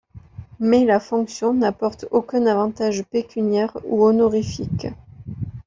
Mais la fonction n’apporte aucun avantage pécuniaire ou honorifique.